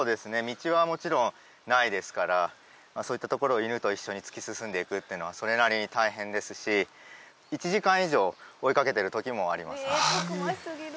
道はもちろんないですからまあそういったところを犬と一緒に突き進んでいくっていうのはそれなりに大変ですし１時間以上追いかけてる時もあります